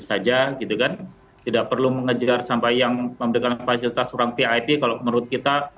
saja gitu kan tidak perlu mengejar sampai yang memberikan fasilitas orang vip kalau menurut kita